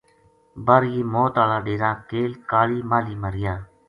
بر یہ موت ہالا ڈیرا کیل کالی ماہلی ما رہیا